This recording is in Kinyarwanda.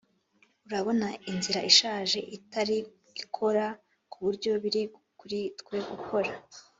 urabona inzira ishaje itari ikora kuburyo biri kuri twe gukora